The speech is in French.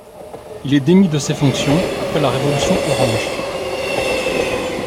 Il est démis de ses fonctions après la Révolution orange.